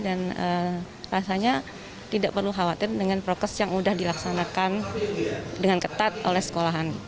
dan rasanya tidak perlu khawatir dengan proses yang sudah dilaksanakan dengan ketat oleh sekolahan